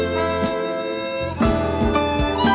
สวัสดีค่ะ